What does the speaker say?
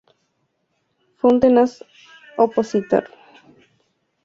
Fue un tenaz opositor de los regímenes de Anwar el Sadat y Hosni Mubarak.